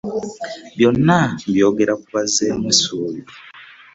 Byonna mbyogera ku bazzaamu ssuubi.